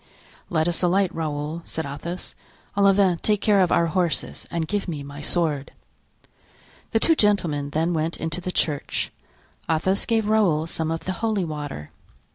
"Let us alight; Raoul," said Athos. "Olivain, take care of our horses and give me my sword." The two gentlemen then went into the church. Athos gave Raoul some of the holy water.